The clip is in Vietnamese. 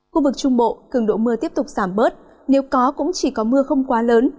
khu vực trung bộ cường độ mưa tiếp tục giảm bớt nếu có cũng chỉ có mưa không quá lớn